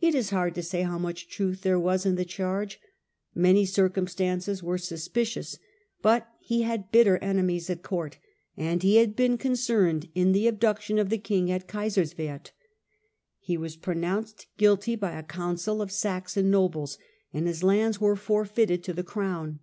Bavaria It is hard to Say how much truth there was in the charge : many circumstances were suspicious, but he had bitter enemies at court, and he had been con cerned in the abduction of the king at Kaiserswerth ; he was pronounced guilty by a council of Saxon nobles, and his lands were forfeited to the crown.